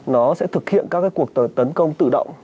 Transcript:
nó sẽ thực hiện các cái cuộc tấn công tự động